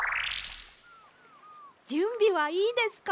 じゅんびはいいですか？